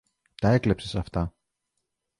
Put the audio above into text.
Τα έκλεψες αυτά.